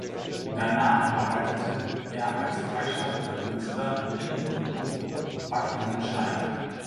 Danach arbeitete er als freischaffender Künstler in und um Buckinghamshire.